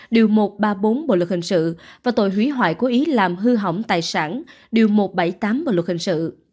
điều một trăm ba mươi bốn bộ luật hình sự và tội hủy hoại cố ý làm hư hỏng tài sản điều một trăm bảy mươi tám bộ luật hình sự